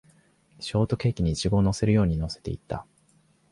ショートケーキにイチゴを乗せるように乗せていった